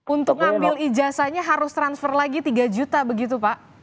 untuk ngambil ijazahnya harus transfer lagi tiga juta begitu pak